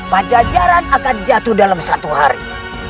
pajajaran akan jatuh dalam satu hari